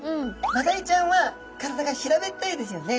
マダイちゃんは体が平べったいですよね。